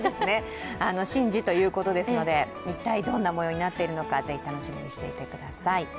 神事ということですので、どういったものになっているのかぜひ楽しみにしていてください。